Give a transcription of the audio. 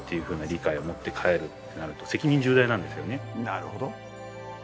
なるほど。